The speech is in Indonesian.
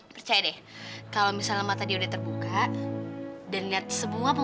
terima kasih aken